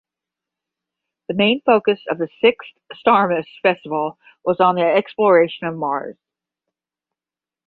The main focus of the sixth Starmus Festival was on the exploration of Mars.